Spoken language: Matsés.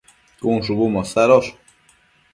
cun shubu mosadosh